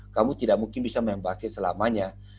kamu tidak mungkin bisa main basket selamanya